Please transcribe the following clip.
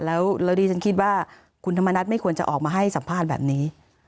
แล้วดิฉันคิดว่าคุณธรรมนัฐไม่ควรจะออกมาให้สัมภาษณ์แบบนี้